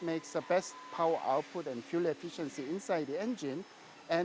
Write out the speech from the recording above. jadi ini membuat output dan efisiensi biaya terbaik di dalam mesin